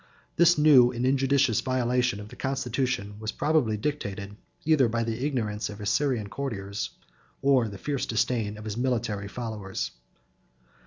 This new and injudicious violation of the constitution was probably dictated either by the ignorance of his Syrian courtiers, or the fierce disdain of his military followers.